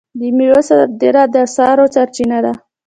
د میوو صادرات د اسعارو سرچینه ده.